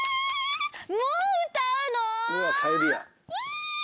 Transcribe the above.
もう歌うの⁉い！